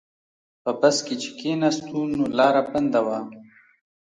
په بس کې چې کیناستو نو لاره بنده وه.